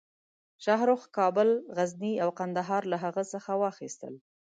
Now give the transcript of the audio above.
شاهرخ کابل، غزني او قندهار له هغه څخه واخیستل.